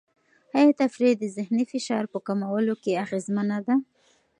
آیا تفریح د ذهني فشار په کمولو کې اغېزمنه ده؟